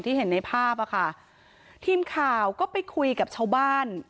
เห็นในภาพอ่ะค่ะทีมข่าวก็ไปคุยกับชาวบ้าน